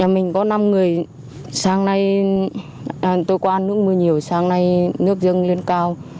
mình có năm người sáng nay tôi qua nước mưa nhiều sáng nay nước dâng lên cao